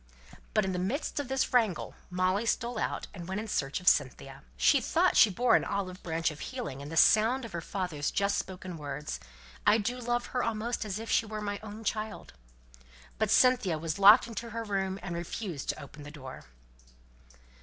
But in the midst of this wrangle Molly stole out, and went in search of Cynthia. She thought she bore an olive branch of healing in the sound of her father's just spoken words: "I do love her almost as if she were my own child." But Cynthia was locked into her room, and refused to open the door.